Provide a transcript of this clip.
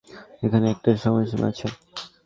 এখানে একটা সময়সীমা আছে।